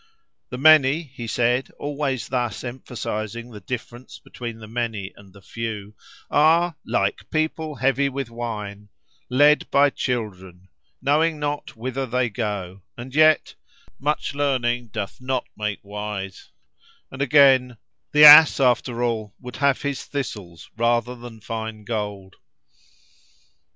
"The many," he said, always thus emphasising the difference between the many and the few, are "like people heavy with wine," "led by children," "knowing not whither they go;" and yet, "much learning doth not make wise;" and again, "the ass, after all, would have his thistles rather than fine gold."